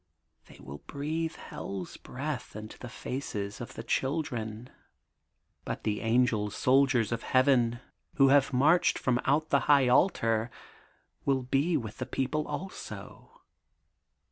They will breathe hell's breath into the faces of the children. B^t the Angel Soldiers of Heaven THE GOLDEN BOOK OF SPRINGFIELD did who have marched from out the High Altar will be with the people also.